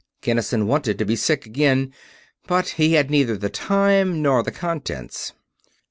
Kinnison wanted to be sick again, but he had neither the time nor the contents.